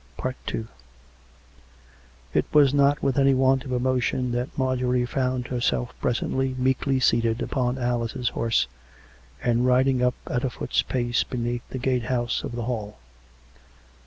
II It was not with any want of emotion that Marjorie found herself presently meekly seated upon Alice's horse, and riding up at a foot's pace beneath the gatehouse of the Hall.